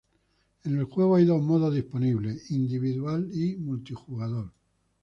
En el juego hay dos modos disponibles: individual y multijugador.